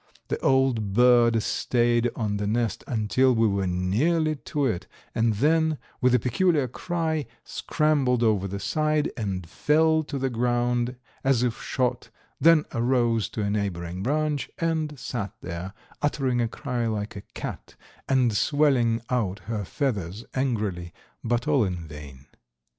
The old bird stayed on the nest until we were nearly to it and then, with a peculiar cry, scrambled over the side and fell to the ground as if shot, then arose to a neighboring branch and sat there, uttering a cry like a cat and swelling out her feathers angrily, but all in vain.